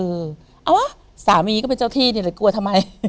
เอาวะสามีก็เป็นเจ้าที่นี่แหละกลัวทำไม